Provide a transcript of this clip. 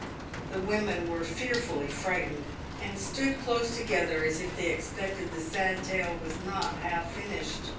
The women were fearfully frightened, and stood close together, as if they expected the sad tale was not half finished.